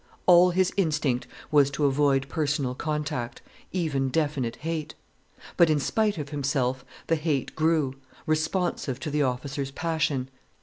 All his instinct was to avoid personal contact, even definite hate. But in spite of himself the hate grew, responsive to the officer's passion.